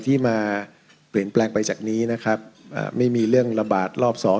ที่มาเปลี่ยนแปลกไปจากนี้ไม่มีเรื่องระบาดรอบสอง